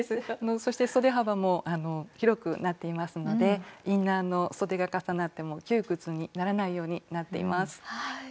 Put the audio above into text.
そしてそで幅も広くなっていますのでインナーのそでが重なっても窮屈にならないようになっています。